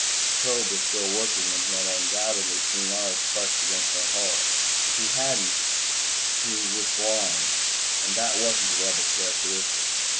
His probe was still working and he had undoubtedly seen ours crushed against our hull. If he hadn't he was blind and that wasn't a Rebel characteristic.